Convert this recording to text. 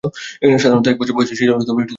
সাধারণত এক বৎসর বয়সেই শিশুরা কথা বলতে শুরু করে।